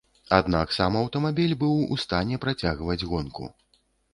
Аднак сам аўтамабіль быў у стане працягваць гонку.